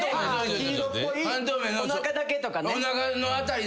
おなかだけとかね。